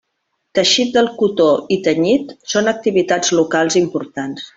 Teixit del cotó i tenyit són activitats locals importants.